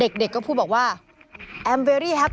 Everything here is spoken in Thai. กินขออาหาร